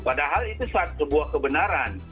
padahal itu sebuah kebenaran